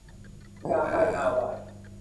อยากไปฮาวาย